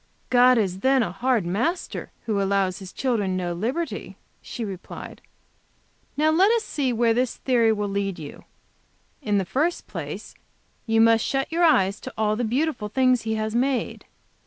"God is then a hard Master, who allows his children no liberty," she replied. "Now let us see where this theory will lead you. In the first place you must shut your eyes to all the beautiful things He has made.